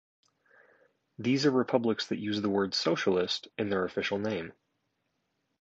These are republics that use the word "socialist" in their official name.